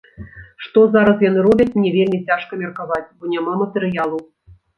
Што зараз яны робяць, мне вельмі цяжка меркаваць, бо няма матэрыялу.